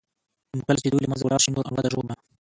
نو كله چي دوى له منځه ولاړ شي نور انواع د ژوو به